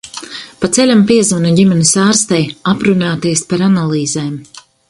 Pa ceļam piezvanu ģimenes ārstei, aprunāties par analīzēm.